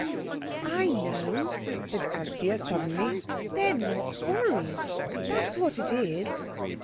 "I know," said Anthea suddenly. "They're not worried; that's what it is."